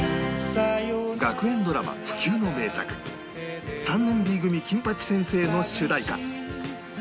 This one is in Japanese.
学園ドラマ不朽の名作『３年 Ｂ 組金八先生』の主題歌